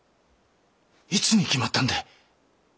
いつに決まったんで？